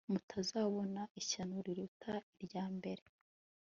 mutazabona ishyano riruta irya mbere